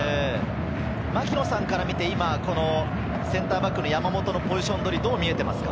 槙野さんから見て、センターバックの山本のポジション取り、どうですか？